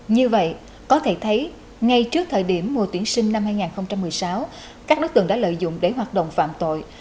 như vậy có thể thấy ngay trước thời điểm mùa tuyển sinh năm hai nghìn một mươi sáu các đối tượng đã lợi dụng để hoạt động phạm tội